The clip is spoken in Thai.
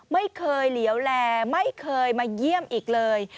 เหลียวแลไม่เคยมาเยี่ยมอีกเลย